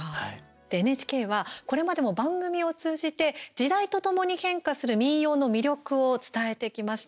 ＮＨＫは、これまでも番組を通じて時代とともに変化する民謡の魅力を伝えてきました。